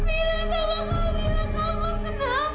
ini maaf aku buru buru papa nangis